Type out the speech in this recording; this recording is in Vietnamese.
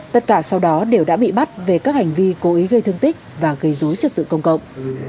tất cả sau đó đều đã bị bắt về các hành vi cố ý gây thương tích và gây dối trật tự công cộng